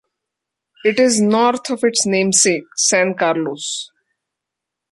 It is north of its namesake San Carlos.